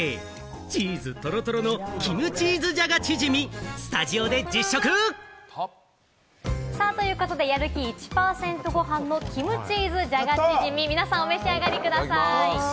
チーズトロトロのキムチーズじゃがチヂミ、スタジオで実食！ということで、やる気１％ごはんのキムチーズじゃがチヂミ、皆さんお召し上がりください。